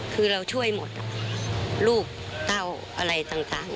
คือเราช่วยหมดลูกเต้าอะไรต่าง